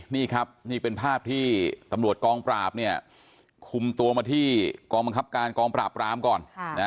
นี่ครับนี่เป็นภาพที่ตำรวจกองปราบเนี่ยคุมตัวมาที่กองบังคับการกองปราบรามก่อน